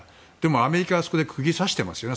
アメリカはあそこで釘を刺していますよね